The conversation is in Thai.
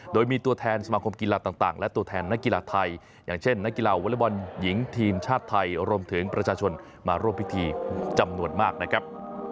โดยมีตัวแทนสมาคมกีฬาต่างและตัวแทนนักกีฬาไทยอย่างเช่นนักกีฬาวอเล็กบอลหญิงทีมชาติไทยรวมถึงประชาชนมาร่วมพิธีจำนวนมากนะครับ